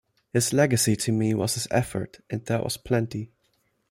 His legacy to me was his effort, and that was plenty.